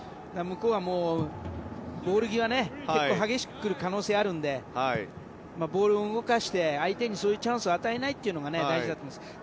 向こうはボール際結構激しく来る可能性あるのでボールを動かして相手にそういうチャンスを与えないというのが大事だと思います。